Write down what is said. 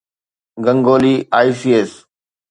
Ganguly I.C.S